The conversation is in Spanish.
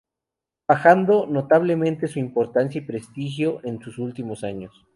Bajando notablemente su importancia y prestigio en sus últimos años.